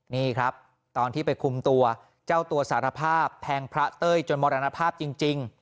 นี่ครับตอนที่ไปคุมตัวเจ้าตัวสารภาพแทงพระเต้ยจนมรณภาพจริง